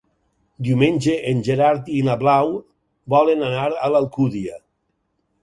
Diumenge en Gerard i na Blau volen anar a l'Alcúdia.